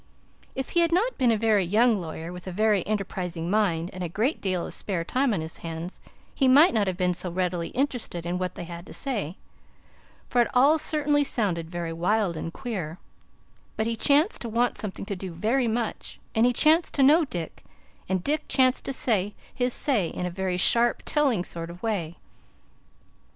If he had not been a very young lawyer, with a very enterprising mind and a great deal of spare time on his hands, he might not have been so readily interested in what they had to say, for it all certainly sounded very wild and queer; but he chanced to want something to do very much, and he chanced to know Dick, and Dick chanced to say his say in a very sharp, telling sort of way.